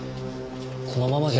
このままじゃ。